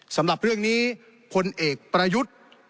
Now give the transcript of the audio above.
สำหรับเรื่องนี้พลเอกประยุทธ์